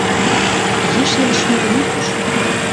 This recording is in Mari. Еш илышым гына пужа.